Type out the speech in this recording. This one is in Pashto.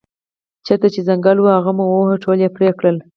چېرته چې ځنګل و هغه مو وواهه ټول یې پرې کړل.